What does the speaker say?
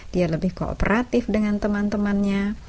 dia lebih kooperatif dengan teman temannya